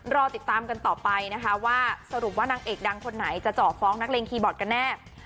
รอติดตามกันต่อไปนะคะว่าสรุปว่านางเอกดังคนไหนจะเจาะฟ้องนักเลงคีย์บอร์ดกันแน่